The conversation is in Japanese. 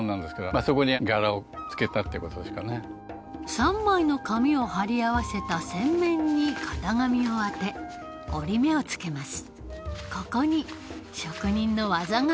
３枚の紙を張り合わせた扇面に型紙を当て折り目をつけます